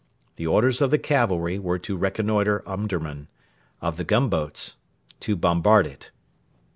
The orders of the cavalry were to reconnoitre Omdurman; of the gunboats to bombard it.